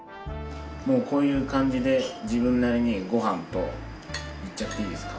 もうこういう感じで自分なりにご飯と。いっちゃっていいですか？